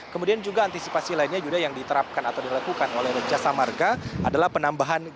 kemudian juga antisipasi lainnya juga yang diterapkan atau dilakukan oleh jasa warga adalah penambahan gardu tol